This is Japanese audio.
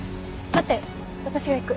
待って私が行く。